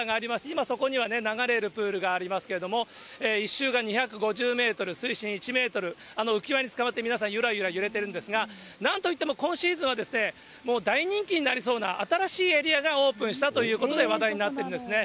今、そこには流れるプールがありますけれども、１周が２５０メートル、水深１メートル、浮き輪につかまって、皆さんゆらゆら揺れているんですが、なんといっても今シーズンは、もう大人気になりそうな、新しいエリアがオープンしたということで、話題になってるんですね。